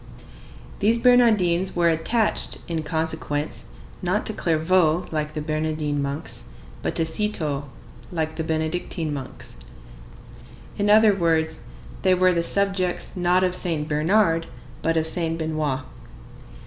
These Bernardines were attached, in consequence, not to Clairvaux, like the Bernardine monks, but to Cîteaux, like the Benedictine monks. In other words, they were the subjects, not of Saint Bernard, but of Saint Benoît.